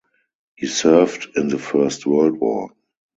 He served in the First World War.